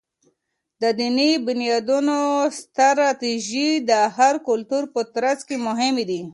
د دینی بنیادونو ستراتیژۍ د هر کلتور په ترڅ کي مهمي دي.